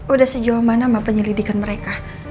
udah sejauh mana penyelidikan mereka